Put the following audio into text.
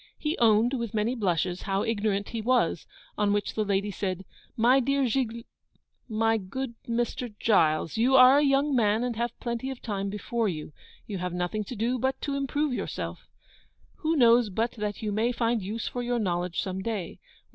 He owned, with many blushes, how ignorant he was; on which the lady said, 'My dear Gigl my good Mr. Giles, you are a young man, and have plenty of time before you. You have nothing to do but to improve yourself. Who knows but that you may find use for your knowledge some day?